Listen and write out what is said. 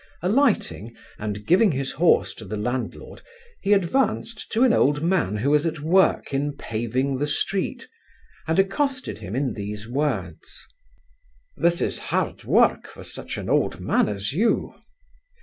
Alighting, and giving his horse to the landlord, he advanced to an old man who was at work in paving the street, and accosted him in these words: 'This is hard work for such an old man as you.